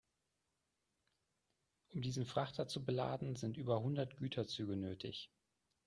Um diesen Frachter zu beladen, sind über hundert Güterzüge nötig.